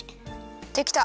できた。